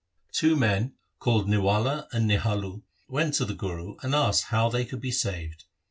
Two men, called Niwala and Nihalu, went to the Guru, and asked how they could be saved.